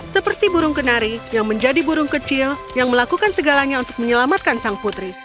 seperti burung kenari yang menjadi burung kecil yang melakukan segalanya untuk menyelamatkan sang putri